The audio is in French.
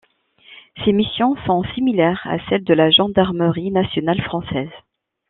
Ses missions sont similaires à celles de la Gendarmerie nationale française.